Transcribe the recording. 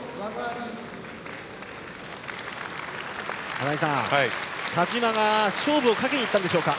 穴井さん、田嶋が勝負をかけにいったんでしょうか。